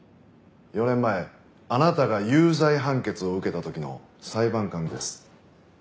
４年前あなたが有罪判決を受けた時の裁判官です。